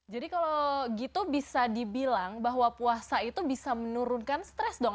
jadi kalau gitu bisa dibilang bahwa puasa itu bisa menurunkan stres dong